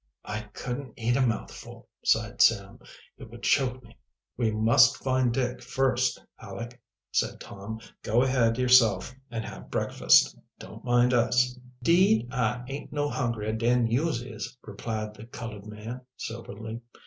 "I couldn't eat a mouthful," sighed Sam. "It would choke me." "We must find Dick first, Aleck," said Tom. "Go ahead yourself and have breakfast. Don't mind us." "'Deed, I aint no hungrier dan youse is," replied the colored man soberly.